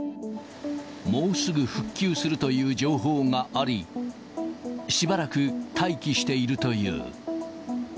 もうすぐ復旧するという情報があり、しばらく待機しているという。